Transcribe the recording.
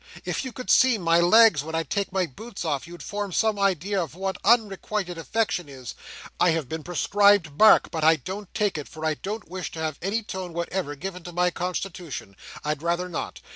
If you could see my legs when I take my boots off, you'd form some idea of what unrequited affection is. I have been prescribed bark, but I don't take it, for I don't wish to have any tone whatever given to my constitution. I'd rather not.